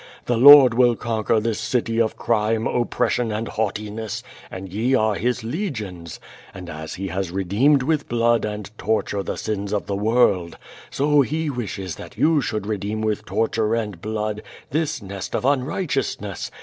The Lord will con quer this city of crime, oppression, and' haughtiness, and ye are his legions. And as He has redeemed with blood and tor ture the sins of the world, so He wishes that you should re deem with torture and blood this nest of unrighteousness.